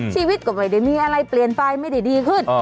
ชีวิตกว่าเดิมเมี้ยอะไรเปลี่ยนไปไม่ได้ดีขึ้น